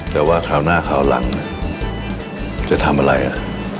แต่ว่าคราวหน้าคราวหลังจะทำอะไรอ่ะ